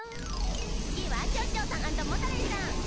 つぎはちょうちょうさんアンドモタレイさん！